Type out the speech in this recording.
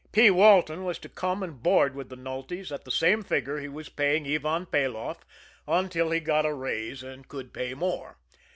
P. Walton was to come and board with the Nultys at the same figure he was paying Ivan Peloff until he got a raise and could pay more.